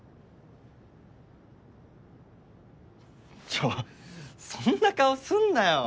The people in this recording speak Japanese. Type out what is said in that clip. ちょっそんな顔すんなよ。